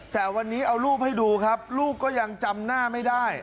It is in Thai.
แต่วันนี้เอารูปให้ดูครับลูกก็ยังจำหน้าไม่ได้